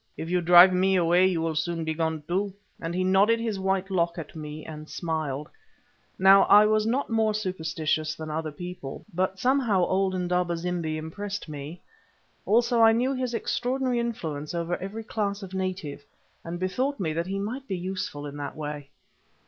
If you drive me away you will soon be gone too," and he nodded his white lock at me and smiled. Now I was not more superstitious than other people, but somehow old Indaba zimbi impressed me. Also I knew his extraordinary influence over every class of native, and bethought me that he might be useful in that way.